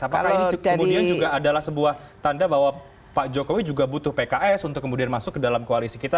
apakah ini kemudian juga adalah sebuah tanda bahwa pak jokowi juga butuh pks untuk kemudian masuk ke dalam koalisi kita